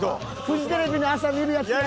フジテレビの朝見るやつや。